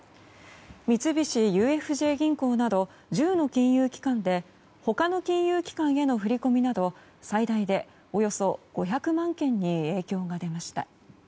三菱ＵＦＪ銀行など１０の金融機関で他の金融機関への振り込みなど最大でおよそ５００万件に影響が出ました。